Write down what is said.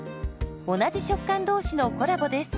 同じ食感同士のコラボです。